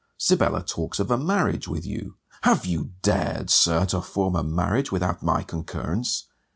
Sibella talks of a marriage with you. Have you dared, Sir, to form a marriage without my concurrence?